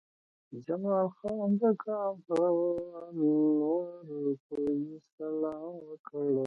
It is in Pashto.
جمال خان د کان په لور پوځي سلام وکړ